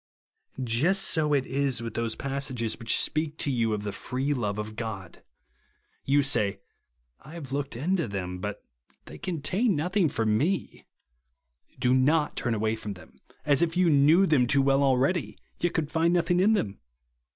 Just so is it with those passages which speak to you of the free love of God. You say, I have looked into them, but they 86 THE WORD OF THE contain nothing for me. Do not turn away from them, as if you knew them too well already, yet could find nothing in them.